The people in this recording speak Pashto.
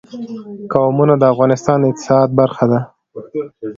قومونه د افغانستان د اقتصاد برخه ده.